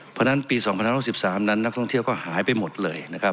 เพราะฉะนั้นปี๒๐๖๓นั้นนักท่องเที่ยวก็หายไปหมดเลยนะครับ